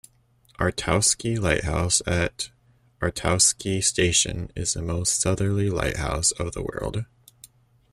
Arctowski lighthouse at Arctowski Station is the most southerly lighthouse of the world.